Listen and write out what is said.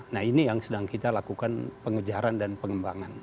nah ini yang sedang kita lakukan pengejaran dan pengembangan